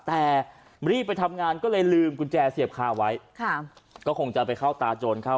แต่รีบไปทำงานก็เลยลืมกุญแจเสียบคาไว้ค่ะก็คงจะไปเข้าตาโจรเข้า